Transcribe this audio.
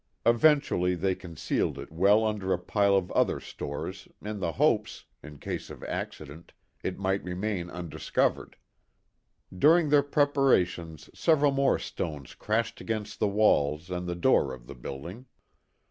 Eventually they concealed it well under a pile of other stores in the hopes, in case of accident, it might remain undiscovered. During their preparations several more stones crashed against the walls and the door of the building.